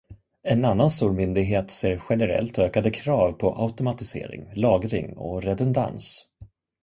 En annan stor myndighet ser generellt ökade krav på automatisering, lagring och redundans.